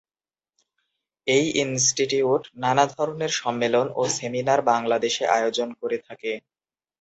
এই ইনস্টিটিউট নানা ধরনের সম্মেলন ও সেমিনার বাংলাদেশে আয়োজন করে থাকে।